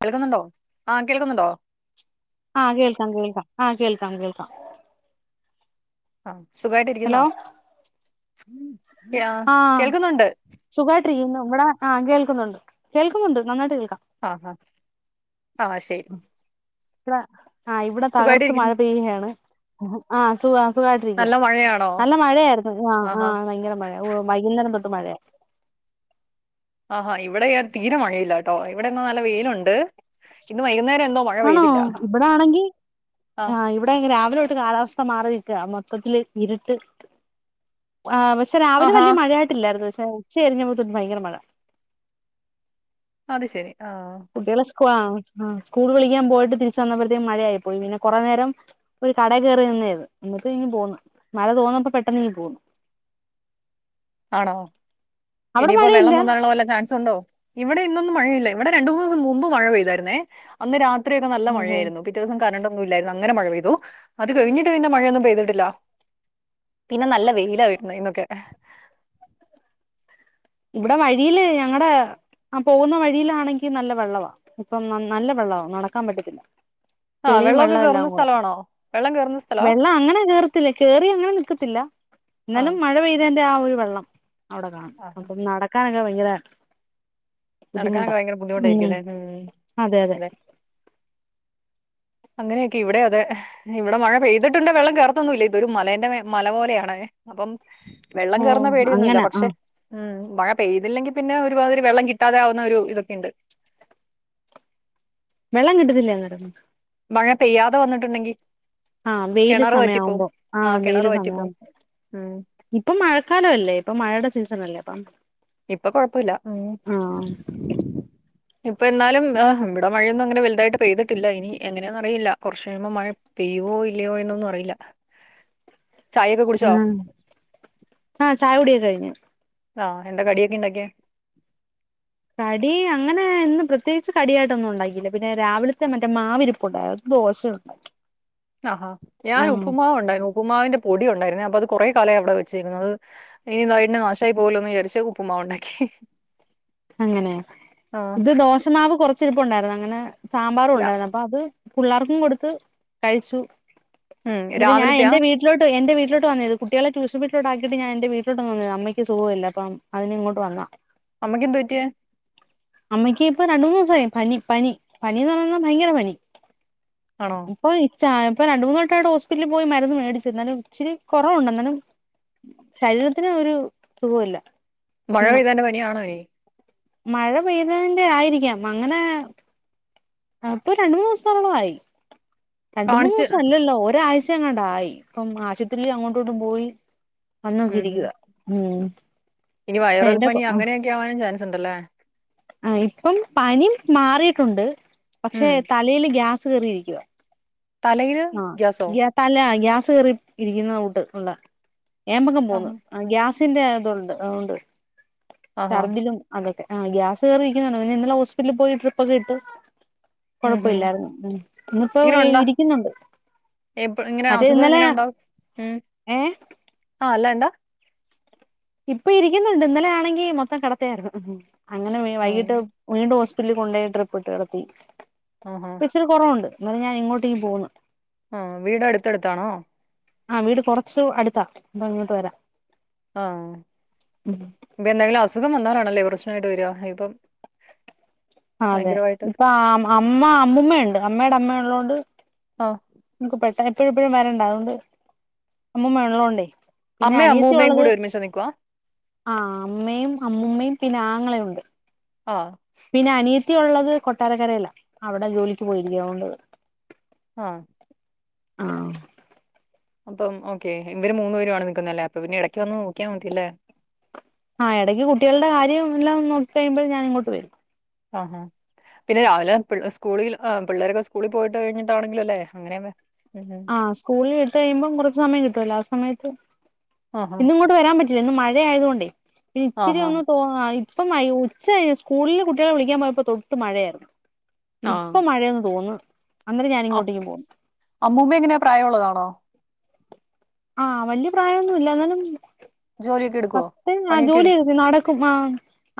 കേൾക്കുന്നുണ്ടോ ആഹ് കേൾക്കുന്നുണ്ടോ ആഹ് കേൾക്കാം കേൾക്കാം ആഹ് കേൾക്കാം കേൾക്കാം ആഹ് സുഖായിട്ടിരിക്കുന്നോ ഹലോ ഉം യാ കേൾക്ക്ന്ന്ണ്ട് [unintelligible] നമ്മുടെ ആഹ് കേൾക്കുന്നുണ്ട് കേൾക്കുന്നുണ്ട് നന്നായിട്ട് കേ ആഹ് ആ ശെരി പ്ര ആ ഇവിടെ തകർത്ത് മഴ പെയ്യുകയാണ് ആ സുഖാ സുഖാട്ടിരിക്കാ നല്ല മഴയാണോ നല്ല മഴയായിരുന്നു ആ ആ ആഹാ ഭയങ്കര മഴ വൈകുന്നേരം തൊട്ട് മഴയാ ആഹാ ഇവിടെ തീരെ മഴയില്ലാട്ടോ ഇവിടെ ഇന്ന് നല്ല വെയിലുണ്ട് ഇന്ന് വൈകുന്നേരം എന്തൊ ആണോ ഇവിടെ ആണെങ്കി ആഹ് ആ ഇവിടെ രാവിലെ തൊട്ട് കാലാവസ്ഥ മാ മാറിക്കാ മൊത്തത്തില് ഇരുട്ട് ആ പക്ഷെ രാവിലെ ആഹാ വലിയ മഴയായിട്ടില്ലായിരുന്ന് ഉച്ച കഴിഞ്ഞപ്പോ തൊട്ട് ഭയങ്കര മഴ അത് ശെരി ആ [unintelligible] ആ സ്കൂൾ വിളിക്കാൻ പോയിട്ട് തിരിച്ചുവന്നപ്പോഴേത്തേക്കും മഴയായി പോയി പിന്നെ കുറെ നേരം ഒരു കടേ കേറി നിന്നേത് എന്നിട്ട് ഇങ്ങ് പോന്ന് മഴ തോന്നപ്പോ പെട്ടെന്ന് ഇങ്ങ് പോന്നു ആണോ അവിടെ ഇനിയിപ്പോ മഴയില്ല വെള്ളം പോങ്ങാനുള്ള വല്ല ചാൻസും ഉണ്ടോ ഇവിടെ ഇന്നൊന്നും മഴയില്ല ഇവിടെ രണ്ടു മൂന്ന് ദിവസം മുമ്പ് മഴ പെയ്തായിരുന്നേ അന്ന് രാത്രി രാത്രിയൊക്കെ നല്ല ഓഹോ മഴയായിരുന്നു പിറ്റേ ദിവസം കറണ്ടും ഇല്ലായിരുന്നു അങ്ങനെ മഴ പെയ്തു അത് കഴിഞ്ഞ് പിന്നെ മഴയൊന്നും പെയ്യ്തിട്ടില്ല പിന്നെ നല്ല വെയിലാ വരുന്നേ ഇന്നൊക്കെ ഇവിടെ വഴിയില് ഞങ്ങടെ ആ പോകുന്ന വഴിയിലാണെങ്കി നല്ല വെള്ളവാ ഇപ്പം നല്ല വെള്ളവാ നടക്കാൻ പറ്റത്തില്ല ആഹ് തെളിയും വെള്ളമൊക്കെ വെള്ളം എല്ലാം കേറുന്ന കൂടെ സ്ഥലമാണോ വെള്ളം കേറുന്ന സ്ഥലവാ വെള്ളം അങ്ങനെ കേറത്തില്ല കേറി അങ്ങനെ നിൽക്കത്തില്ല എന്നാലും ആഹ് മഴ പെയ്തതിന്റെ ആ [unintelligible] വെള്ളം അവിടെ കാണും ആഹ് അപ്പം നടക്കാനൊക്കെ [unintelligible] ബുദ്ധിമുട്ടാ നടക്കാനൊക്കെ ഭയങ്കര ബുദ്ധിമുട്ടായിരിക്കും അല്ലേ ഉം അതെ അങ്ങനെയൊക്കെയാ ഇവിടെ അതേ ഇവിടെ മഴ പെയ്തിട്ടുണ്ടേ വെള്ളം കയറത്തൊന്നുല്ല ഇതൊരു മലേന്റെ മലപോലെയാണേ അപ്പം വെള്ളം ഓ കേറുന്ന പേടിയൊന്നുമില്ല അങ്ങനെ ആ പക്ഷെ ഉം മഴ പെയ്തില്ലെങ്കി പിന്നെ ഒരു [unintelligible] വെള്ളം കിട്ടാതെ ആകുന്ന ഒരു ഇതൊക്കെയുണ്ട് വെള്ളം കിട്ടത്തില്ലേ അന്നേരം മഴ പെയ്യാതെ വന്നിട്ടുണ്ടെങ്കി ആ വെയില് സമയം ആവുമ്പോ ആ ആഹ് കിണർ വെയില് സമയം വറ്റിപ്പോവും ആവുമ്പോ ഉം ഇപ്പൊ മഴക്കാലം അല്ലേ ഇപ്പൊ മഴയുടെ സീസ [unintelligible] ഇപ്പൊ കൊഴപ്പില്ല ഉം ഇപ്പൊ എന്നാലും ഇവിടെ മഴയൊന്നും അങ്ങനെ വലുതായിട്ട് പെയ്തിട്ടില്ല ഇനി എങ്ങനെയന്ന അറിയില്ല കുറച്ച കഴിയുമ്പോ മഴ പെയ്യുവോ ഇല്ലയോ എന്നൊന്നും അറിയില്ല ചായ ഒക്കെ കുടിച്ചോ ആഹ് ആഹ് ചായ കുടിയെ കഴിഞ്ഞു ആഹ എന്താ കടിയൊക്കെ ഇണ്ടാക്കിയ കടി അങ്ങനെ ഇന്ന് പ്രത്യേകിച്ച് കടിയായിട്ടൊന്നും ഉണ്ടാക്കില്ല. പിന്നെ രാവിലത്തെ മറ്റേ മാവിരിപ്പുണ്ടായിരുന്നു. ദോശ ഉണ്ടാക്കി. ആഹാ ഞാൻ ആഹ് ഉപ്പുമാവ ഉണ്ടാക്കിയേ. ഉപ്പുമാവിന്റെ പൊടി ഉണ്ടായിരുന്നേ. അപ്പത് കൊറേ കാലായി അവിടെ വെച്ചേക്കുന്ന് അത് ഇനി [unintelligible] നാശായി പോവൂല്ലോന്ന് വിചാരിച്ച് ഉപ്പുമാവുണ്ടാക്കി. അങ്ങനേ ഇത് ദോശമാവ് കൊറച്ച് ഇരിപ്പോണ്ടായിരുന്നോ അങ്ങനെ? സാമ്പാറും രാ ഉണ്ടായിരുന്നു അപ്പോ അത് പുള്ളാർക്കും കൊടുത്ത് കഴിച്ചു ഉം എന്നിട്ട് ഞാൻ രാവിലത്തെയാ എൻറെ വീട്ടിലോട്ട് എൻറെ വീ വീട്ടിലോട്ട് വന്നത് കുട്ടികള ട്യൂഷൻ വീട്ടിലോട്ടാക്കിട്ട് ഞാനെന്റെ വീട്ടിലോട്ട വന്നതാ. അമ്മക്ക് സുഖോല്ല. അപ്പ അതിന് ഇങ്ങോട്ട് വന്നാ എന്തുപറ്റിയെ? അമ്മയ്ക്ക് ഇപ്പോ രണ്ട് മൂന്ന് ദിവസായി. പനി. പനി. പനിന്ന് പറഞ്ഞാ ഭയങ്കര പനി. ആണോ ഇപ്പോ ച ഇപ്പൊ രണ്ട് മൂന്ന് വട്ടായിടോ ഹോസ്പിറ്റലിൽ പോയി മരുന്ന് മേടിച്ചു എന്നാലും ഇച്ചിരി കൊറവുണ്ട്. എന്നാലും ശരീരത്തിന് ഒരു സുഖോമില്ല. മഴ പെയ്തേന്റെ പനിയാണോ ഇനി? മഴ പെയ്തതിന്റെ ആയിരിക്കാം. അങ്ങനെ ഇപ്പോ രണ്ട്മൂന്ന് ദിവസത്തോളം ആയി. രണ്ട മൂന്ന് കാണിച്ച് ദിവസം അല്ലല്ലോ ഒരാഴ് ങ്ങണ്ടായി ഇപ്പം ആശുപത്രില് അങ്ങോട്ങ്ങോട്ടും പോയി ഉം ഉം വന്നോക്കിയിരിക്കുവാ. ഉം. ഇനി അപ്പ വൈറൽ എന്റെ പനി ഉം അങ്ങനെയൊക്കെ ആവാനും ചാൻസ് ഉണ്ടല്ലേ ആ ഇപ്പം പനി മാറിട്ടുണ്ട് പക്ഷേ ഉം തലേല് ഗ്യാസ് കേറിയിരിക്കുവ തലയില് ആ ഗ്യാസോ ഗ്യ തല ഗ്യാ കേറി ഇരിക്കുന്ന കൂട്ടത്തല് ഏമ്പക്കം പോവുന്നു ആഹാ ആ ഗ്യാസ് തേ അതൊണ്ട്. ഒണ്ട് ആഹാ ഛർദ്ദിലും അതൊക്കെ ആ ഗ്യാസ് കയറിയിരിക്കുന്നോ ന്നോ ഇന്നലെ ഹോസ്പിറ്റലിൽ പോയി ട്രിപ്പൊക്കെ ഇട്ടു. ഉം ഉം കൊഴപ്പമില്ലായിരുന്നു. ഉം ഇന്നിപ്പോ ഇരിക്കുന്നുണ്ട്. ഏ പ്പോ ഇങ്ങനെ മറ്റേ അസുഖ ഇന്നലെ എങ്ങനെ ഉണ്ടാവും? ഏ ആ ആല്ല ന്താ ഇപ്പ ഇരിക്കുന്നുണ്ട്. ഇന്നലെ ആണെങ്കി മൊത്തം കെടത്തയായിരുന്നു. ങ്ഹും അങ്ങനെ ആഹ് വൈകിട്ട് വീണ്ടും ഹോസ്പിറ്റലിൽ കൊണ്ടേയി ട്രിപ്പ് ഇട്ട് കെടത്തി. ആഹാ ഇച്ചിരി കൊറവുണ്ട് ന്നാലും ഞാന് ഇങ്ങോട്ടേക്ക് പോന്നു. ആ വീട് അടുത്ത്ടുത്താണോ ആ വീട് കൊറച്ച് അടുത്താ. ഇന്ത ഇങ്ങോട്ട് വരാം. ആ ഇപ്പൊ എന്തെങ്കിലും അസുഖം വന്നാല നല്ല പ്രശ്നമായിട്ട് വരുവാ ഇതും അ അതെ ഇപ്പ അമ്മ അമ്മയുണ്ട് അമ്മയുടെ അമ്മയ ഉള്ളതുകൊണ്ട് ആഹ് എക്ക് പെട്ട [unintelligible] എപ്പോഴും ഇപ്പോഴും വരണ്ട അതുകൊണ്ട് അമ്മുമ്മഉള്ളത്ണ്ട് പിന്നെ അമ്മയും അനിയത്തി അമ്മൂമ്മയും ഉള്ളത് കൂടി ഒരുമിച്ചാ നിക്കുവാ ആ അമ്മയും അമ്മൂമ്മയും പിന്നെ ആങ്ങളെയുണ്ട് ആ പിന്നെ അനിയത്തി ഉള്ളത് കൊട്ടാരക്കരല്ല അവിടെ ജോലിക്ക് പോയില്ലോ അതോണ്ട് ആഹ് ആ അപ്പം ഓക്കേ ഇവര് മൂന്ന് പേരും ആണ് നിക്കുന്നല്ലേ അപ്പൊ പിന്നെ ഇടയ്ക്ക് വന്ന് നോക്കിയാൻ മതിയല്ലേ ആ ഇടയ്ക്ക് കുട്ടികളുടെ കാര്യം എല്ലാം നോക്കി കഴിയുമ്പോൾ ഞാൻ ഇങ്ങോട്ട് വരും ആ ഹാ പിന്നെ രാവിലെ സ്കൂളിൽ പിള്ളേരൊക്കെ സ്കൂളിൽ പോയിട്ട് കഴിഞ്ഞിട്ടണെങ്കിലും അല്ലെ അങ്ങനെ ഉം ഉം ആ സ്കൂളിൽ വിട്ട കഴിയുമ്പം കുറച്ച് സമയം കിട്ടുവല്ല സമയത്ത് ആഹ് ഇന്നും ഇങ്ങോട്ട് വരാൻ പറ്റില്ല ഇന്ന് മഴ മഴ ആയതുകൊണ്ട് ഇച്ചിരി ആഹ് ഒന്ന് ആഹ് തോന്ന [unintelligible] അപ്പം ഉച്ച കഴിഞ്ഞ് സ്കൂളിൽ കുട്ടികളെ വിളിക്കാൻ പോയപ്പോ തൊട്ട് മഴയായിരുന്നു ഇപ്പൊ ആഹ് മഴയന്ന് തോന്നുന്നു അന്നേരം ഞാന ഇങ്ങോട്ടേക്ക് പോന്നു പ്രായം ഉള്ളതാണോ ആ വല്യ പ്രായ ഒന്നു മി ല്ല എന്നാലും ജോലിയൊക്കെ എടുക്കുവോ പത്ത ആ പണിയൊക്കെ എടു ജോലി എ നടക്കും ആ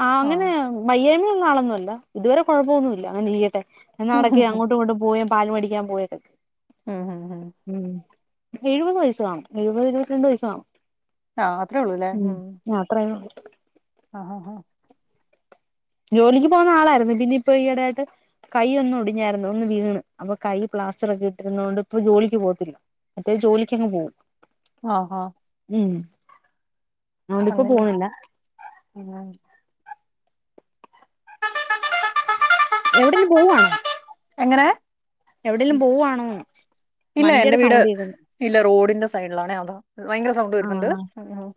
ആ ആഹ് അങ്ങനെ വയ്യ നാളന്നുമല്ല ഇതുവരെ കുഴപ്പമൊന്നുമല്ല അങ്ങനിരിക്കട്ടെ എന്ന നടക്കി അങ്ങോട്ടും ഇങ്ങോട്ട് പോയ പാല് മടിക്കാൻ പോയതക്കെ ഉം ഉം ഉം എഴുപത് വയസ്സാകും എഴുപത് ഇരുപത്തിരണ്ട് വയസ്സാകും ആ ഉം അത്രേ ഉള്ളു ആആഹാ ജോലിക്ക് പോകുന്ന ആളായിരുന്നു പിന്നെ ഇപ്പൊ ഈടെ ആയിട്ട് കൈ ഒന്ന് ഒടിഞ്ഞായിരുന്നു ഒന്ന് വീണ് അപ്പൊ കൈ പ്ലാസ്റ്റർ ഒക്കെ ഇട്ടിരുന്ന കൊണ്ട് ഇപ്പൊ ജോലിക്ക് പോകത്തില്ല മറ്റേ ജോലിക്ക് അങ് പോകും ആ ആ ഉം അതോണ്ട്പ്പൊ പോന്നില്ല ഉം എവിടെന്ന് പോവുവാണോ എങ്ങനെ പോവാണോന്ന് ഇല്ല എന്റെ വണ്ടിയുടെ വീട് സൗണ്ട് കേക്കുന്നു ഇല്ല റോഡിന്റെ സൈഡിലാണേ അതാ ഭയങ്കര സൗണ്ട് ആ വരുന്നുണ്ട് ഉം ഉം.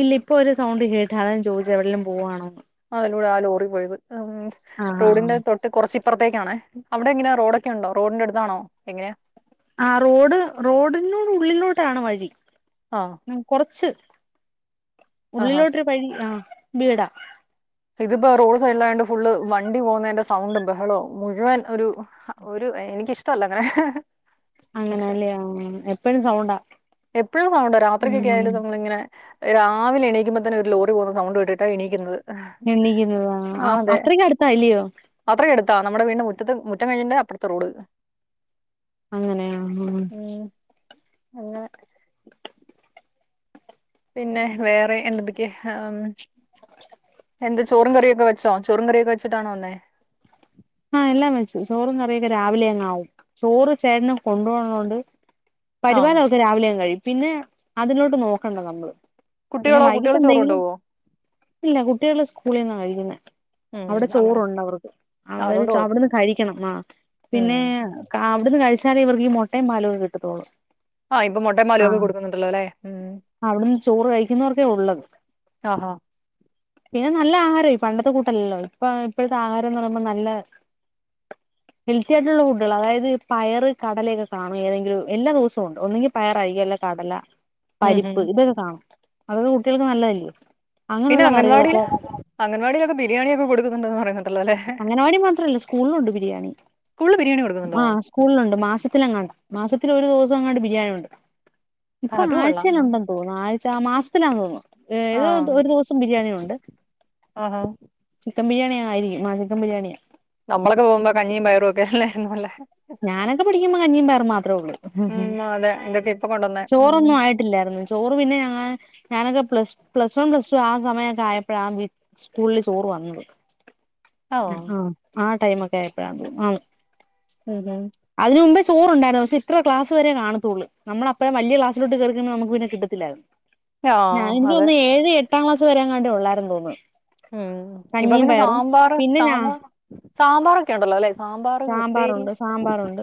ഇല്ല ഇപ്പൊ ഒരു സൗണ്ട് കേട്ടാ അതാ ഞൻ ചോദിച്ച എവിടെലും പോവാണോ അ അതിലൂടെ ആ ലോറി പോയത് ഉം ആ ആ റോഡിന്റെ തൊട്ട് കുറച്ച് ഇപ്പുറത്തേക്കാണേ അവിടെ എങ്ങനെ റോഡൊക്കെ ഉണ്ടോ റോഡിന്റെ അടുത്താണോ എങ്ങനാ ആ റോഡ് റോഡിനോട് ഉള്ളിലോട്ട ആണ് വഴി ആ ഉം കൊറച്ചു ആഹാ ഉള്ളിലോട്ടരു വഴി ആ ബീടാ ഇതിപ്പോ റോഡ് സൈഡിലായണ്ട് ഫുള്ള് വണ്ടി പോകുന്നതിന്റെ സൗണ്ടും ബഹളോ മുഴുവൻ ഒരു ഒരു എനക്കിഷ്ടമല്ല അങ്ങനെ പക്ഷെ അങ്ങനെല്ലേ എപ്പഴും സൗണ്ടാ എപ്പോഴും സൗണ്ടാ രാത്രിക്കൊക്കെ ഉം ആയാലും നമ്മളിങ്ങനെ രാവിലെ എണീക്കുമ്പോ തന്നെ ഒരു ലോറി പോകുന്ന സൗണ്ട് കേട്ടിട്ടാ എണീക്കുന്നത് എണ്ണീക്കുന്നത ആ അതെ അത്രയ്ക്ക അടുത്താല്ലയോ അത്രയും അടുത്താ നമ്മുടെ വീടിന്റെ മുറ്റത്ത് മുറ്റം കഴിഞ്ഞിണ്ട് അപ്പറത്തെ റോഡ് വ അങ്ങനെ ആ ഉം അങ്ങനെ പിന്നെ വേറെ എന്തന്തൊക്കെ എന്താ ചോറും കറിയൊക്കെ വെച്ചോ ചോറും കറിയൊക്കെ വെച്ചിട്ടാണോ വന്നേ ആഹ എല്ലാം വെച്ചു ചോറും കറിയൊക്കെ രാവിലെ അങ്ങ് ആവും ചോറ് ചേട്ടന കൊണ്ട് പോവാനൊള്ളതോണ്ട് ആഹ് പരുവനം ഒക്കെ രാവിലെ അങ്ങ് കഴിയും പിന്നെ അതിലോട്ട് നോക്കണ്ട നമ്മള് പിന്നെ കുട്ടികളോ വൈകിട്ട് കുട്ടികള് ചോറ് എന്തെങ്കിലും കൊണ്ടോവോ ഇല്ല കുട്ടികളെ സ്കൂളിൽന്ന കഴിക്കുന്നെ ഉം അവിടെ അങ്ങനെ ചോറുണ്ട് അവർക്ക് ആ അവര് അതുകൊണ്ട് കൊഴപ്പം അവിടുന്ന് കഴിക്കണം ആ പിന്നെ ഉം ആ അവിടുന്ന് കഴിച്ചാലേ ഇവർക്ക് ഈ മൊട്ടയും പാലൊക്കെ കി ട്ടത്തോള്ളൂ ആഹ് ഇപ്പൊ മോട്ടേ പാലൊക്കെ കൊടുക്കുന്നുണ്ടല്ലോ അല്ലെ ഉ അവിടുന്ന് ചോറ് കഴിക്കുന്നവർക്കേ ഉള്ളത് ആഹഹ പിന്നെ നല്ല ആഹാരം ഈ പണ്ടത്തെ കൂട്ടല്ലല്ലോ ഇപ്പ ഇപ്പോഴത്തെ ആഹാരം എന്ന് പറയുന്നത് നല്ല ഹെൽത്തി ആയിട്ടുള്ള ഫുഡുകൾ അതായത് പയറ് കടലയൊക്കെ കാണും ഏതെങ്കിലും എല്ലാ ദിവസവും ഉണ്ട് ഒന്നെങ്കി പയറായിരിക്കും അല്ലെ കടല ഉം ഉം പരിപ്പ് ഇതൊക്കെ കാണാം അതൊക്കെ കുട്ടികൾക്ക് നല്ലതല്ലേ പിന്നെ അങ്ങനെയുള്ള അംഗൻവാടിൽ കറികളൊക്കെ അംഗൻവാടിയിലൊക്കെ ബിരിയാണിയൊക്കെ കൊടുക്കുന്നുണ്ടെന്ന് പറയുന്നുണ്ട് അങ്കനവാടി മാത്രല്ല സ്കൂളിലുണ്ട് ബിരിയാണി സ്കൂളില് ബിരിയാണി ആ കൊടുക്കുന്നുണ്ടോ സ്കൂളിലുണ്ട് മാസത്തിലങ്ങാണ്ട മാസത്തി ഒരു ദിവസം അങ്ങാണ്ട് ബിരിയാണിയുണ്ട് ഇപ്പൊ അത് കൊള്ളാം ആഴ്ചയിലുണ്ടെന്ന് തോന്നുന്നു ആഴ് ചാ മാസത്തിലാ തോന്നുന്നു ഏതോ ആഹ് ഒരു ദിവസം ബിരിയാണിയുണ്ട് ആഹാ ചിക്കൻ ബിരിയാണി ആയിരിക്കും മചിക്കൻബിരിയാണിയാ നമ്മളൊക്കെ പോകുമ്പോ കഞ്ഞിയും പയറുംക്കെല്ലേ ഞാനൊക്കെ പഠിക്കുമ്പോ കഞ്ഞിയും പയറും മാത്രേ ഒള്ളൂ ഉം അതെ ഇതൊക്കെ ഇപ്പൊ കൊണ്ടുവന്നേ ഉം ചോറൊന്നും ആയിട്ടില്ലായിരുന്നു ചോറ് പിന്നെ ഞങ്ങ ഞാനൊക്കെ plus plus one plus two ആ സമയമൊക്കെ ആയപ്പോഴാ സ്കൂളില് ചോറ് വന്നത് ആഹ് ആ ആ ടൈമൊക്കെ ആയപ്പഴാ [unintelligible] [unintelligible] ചോറുണ്ടായിരുന്നു പക്ഷെ ഇത്രക്ലാസ് വരെ കാണത്തുള്ളൂ നമ്മൾ അപ്പം വല്യ ക്ലാസിലോട്ട് കേറി കഴിഞ്ഞാ നമുക്ക് പിന്നെ കിട്ടത്തില്ല ഞാൻ ആഹ് എനിക്ക് അതെ ഒന്ന് ഏഴ് എ എട്ടാം ക്ലാസ് വരേങ്ങാണ്ടെ ഉള്ളാരുന്നു ഉം ഇപ്പൊ പിന്നെ സാമ്പാർ പിന്നെ ഞാ സാമ്പാർ സാമ്പാറൊക്കെ ഉണ്ടല്ലോ അല്ലെ സാമ്പാർ ഉപ്പേരി സാമ്പാറുണ്ട് സാമ്പാറുണ്ട്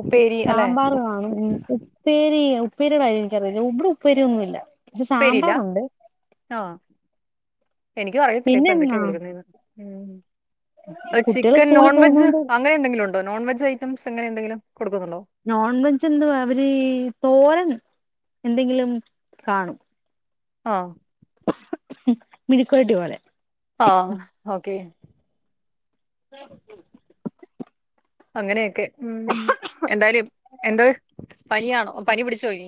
ഉപ്പേരി അല്ലെ സാമ്പാർ കാണും ഉപ്പേ ഉപ്പേ ഉപ്പേരിയുടെ കാര്യം എനിക്കറിയില്ല ഇവിടെ ഉപ്പേരി ഒന്നുല്ല പക്ഷെ ഉപ്പേരിയില്ല സാമ്പാറുണ്ട് ആഹ് എനിക്കും അറിയത്തില്ല പിന്നെ ഇപ്പൊ എന്തൊക്കെയാ എന്നാ കൊടുക്കുന്നെന്ന് കുട്ടികള് ചിക്കൻ സ്കൂളിൽ നോൺവെജ് പോകുന്നോണ്ട് അങ്ങനെ എന്തെങ്കിലും ഉണ്ടോ നോൺ വെജ് ഐറ്റംസ് അങ്ങനെ എന്തെങ്കിലും കൊടുക്കുന്നുണ്ടോ നോൺവെജ് എന്തുവാ അവര് തോരൻ എന്തെങ്കിലും കാണും ആ മെഴുക്ക് പെരട്ടിയോ ആ ഓക്കെ അങ്ങനെയൊക്കെ ഉം എന്തായാലും എന്തോ പനിയാണോ പനി പിടിച്ചു പോയി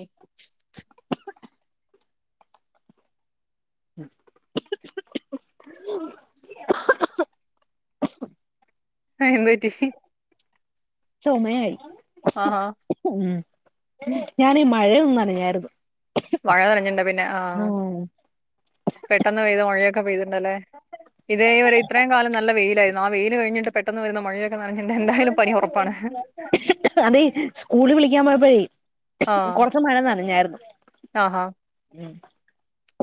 ആ എന്തുപറ്റി സി [unintelligible] ചൊമയായി ആഹാ ഉം ഞാനീ മഴയൊന്ന് നനഞ്ഞാരുന്നു മഴ നനഞ്ഞിട്ടുണ്ട് പിന്നെ ആഹ്പെട്ടന്ന് പെയ്ത മഴയൊക്കെ പെയ്തിട്ടണ്ടല്ലേ ഇതേവരെ ഇത്രയും കാലം നല്ല വെയിലായിരുന്നു ആ വെയിയില് കഴിഞ്ഞിട്ട് പെട്ടെന്ന് വര്ന്ന മഴയെ അതെ സ്കൂള് വിളിക്കാൻ പോയപ്പോഴേ ആഹ് കൊറച്ച് മഴ നനഞാരുന്നു ആഹാ ഉം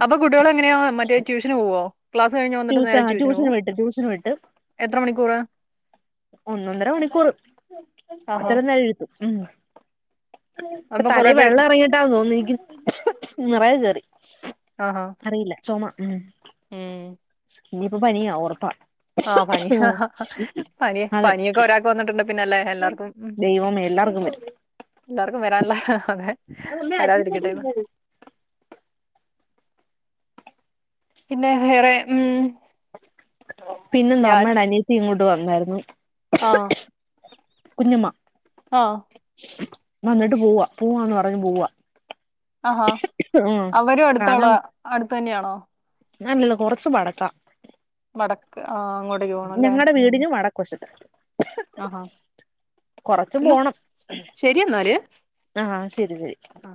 അപ്പൊ കുട്ട്യോള് എങ്ങനെയോ മറ്റേ ട്യൂഷന് പോവോ ക്ലാസ് കഴിഞ്ഞ് വന്നിട്ട് ട്യൂഷ നേരെ ട്യൂഷന് പോവും വിട്ട് ട്യൂഷന് വിട്ട് എത്ര മണിക്കൂറ് ഒന്നൊന്നര മണിക്കൂർ ആഹാ അത്രയും നേരംഉം ഇപ്പ അപ്പൊ തലേ കൊറേ പേര് വെള്ളം ഇറങ്ങിട്ടാ തോന്നി രിക്ക്ന്ന് നിറയെ കേറി ആഹാ അ റീല്ല ചൊമ ഉം സ്ഇനിയിപ്പ പനിയ ഒറപ്പാ ആഹ പനി പ അതെ പനിയൊക്കെ ഒരാക്ക് വന്നിട്ടുണ്ട് പിന്നല്ലേ എല്ലാക്കും ദൈവമേ എല്ലാർക്കും വരും എല്ലാറ്ക്കും വരാൻല്ല ഹ് ഹ് ഹ് [unintelligible] മ്മ അജി കട്ട [unintelligible] പിന്നെ വേറെ ഉം പിന്നെ ഞാൻ ന്നമ്മളനിയത്തിംങ്ങോട്ട് വന്നായ്രുന്നു ആഹ് കുഞ്ഞമ്മ ആഹ് വന്നിട്ട് പോവാ പോവാന്ന് പറഞ്ഞ് പോവാ ആഹാ ഉം അവരും കാണാൻ അടുത്തുള്ളേ അടു ത്തന്നെയാണോ [unintelligible] കൊറച്ച് ബടത്ത മടക്ക് ആഹ് അങ്ങോട്ടേക്ക് പോണല്ലേ വീടിന് വടക്ക് വശത്ത് കൊറച്ച് എന്നാ പോണം ശരി എന്നാല് ആഹ് ശരി ശരി ആ